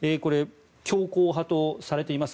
強硬派とされています。